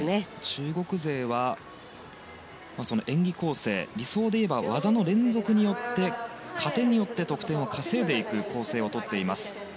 中国勢は、演技構成理想でいえば技の連続によって加点によって得点を稼いでいく構成を取っています。